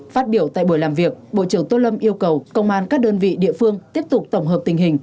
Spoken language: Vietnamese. phát biểu tại buổi làm việc bộ trưởng tô lâm yêu cầu công an các đơn vị địa phương tiếp tục tổng hợp tình hình